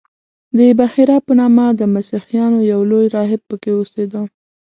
د بحیرا په نامه د مسیحیانو یو لوی راهب په کې اوسېده.